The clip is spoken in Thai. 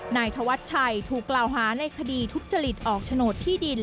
นายธวัชชัยถูกกล่าวหาในคดีทุจริตออกโฉนดที่ดิน